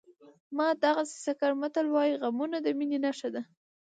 د ماداغاسکر متل وایي غمونه د مینې نښه ده.